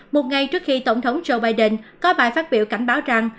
một ngày trước khi tổng thống joe biden có bài phát biểu cảnh báo rằng